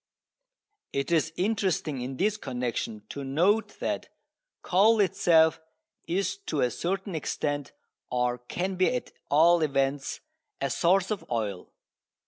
It is interesting in this connection to note that coal itself is to a certain extent, or can be at all events, a source of oil.